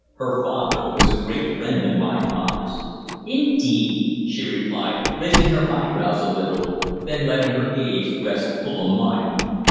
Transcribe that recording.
Her father was a great friend of my father's." "Indeed?" she replied, raising her eyebrows a little, then letting her gaze rest full on mine.